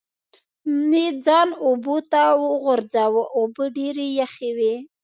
مې ځان اوبو ته وغورځاوه، اوبه ډېرې یخې وې.